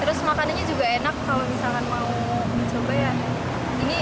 terus makanannya juga enak kalau misalkan mau coba ya ini